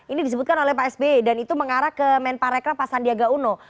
ini disebutkan oleh pak sp dan itu mengarah ke menparekraf pasandia gauno